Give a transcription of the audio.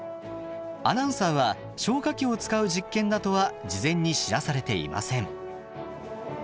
アナウンサーは消火器を使う実験だとは事前に知らされていません。